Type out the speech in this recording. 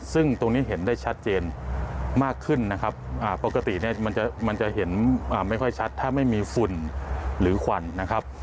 ซึ่งตรงนี้เห็นได้ชัดเจนมากขึ้นนะครับปกติเนี่ยมันจะเห็นไม่ค่อยชัดถ้าไม่มีฝุ่นหรือควันนะครับ